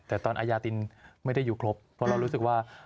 แต่ตอนอาญาตินไม่ได้อยู่ครบเพราะเรารู้สึกว่า